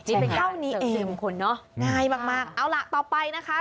ใช่ค่ะเสริมคุณเนอะง่ายมากเอาล่ะต่อไปนะคะ